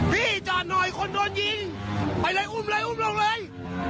พี่จอดหน่อยคนโดนยิงไปเลยอุ้มเลยอุ้มลงเลย